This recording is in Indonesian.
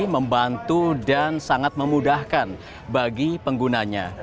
membantu dan sangat memudahkan bagi penggunanya